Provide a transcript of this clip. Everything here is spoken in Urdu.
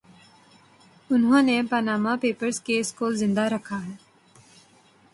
انھوں نے پاناما پیپرز کیس کو زندہ رکھا ہے۔